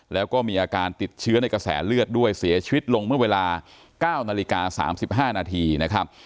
แล้วก็มีอาการติดเชื้อในกระแสเลือดด้วยเสียชีวิตลงเมื่อเวลา๙นาฬิกา๓๕นาทีนะครับ